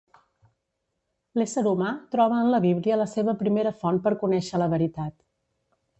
L'ésser humà troba en la Bíblia la seva primera font per conèixer la veritat.